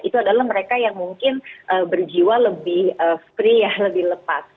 itu adalah mereka yang mungkin berjiwa lebih free ya lebih lepas